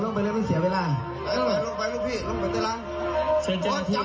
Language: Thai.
ทีนี้ก็เลยต้องเรียกเจ้าหน้าที่ตรวจจริง